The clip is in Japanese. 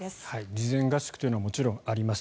事前合宿というのはもちろんあります。